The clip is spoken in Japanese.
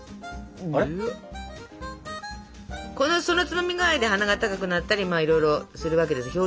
そのつまみ具合で鼻が高くなったりいろいろするわけです。